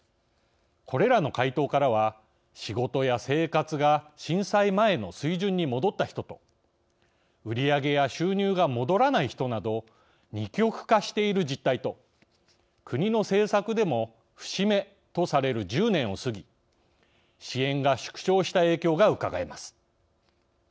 これらの回答からは仕事や生活が震災前の水準に戻った人と売り上げや収入が戻らない人など二極化している実態と国の政策でも節目とされる１０年を過ぎ支援が縮小した影響がうかがえます。